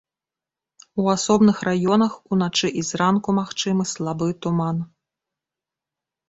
У асобных раёнах уначы і зранку магчымы слабы туман.